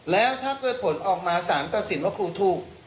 แล้วถ้าเกิดผลออกมาสารตัดสินว่าครูถูก